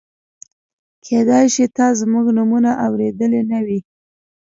کېدای شي تا زموږ نومونه اورېدلي نه وي.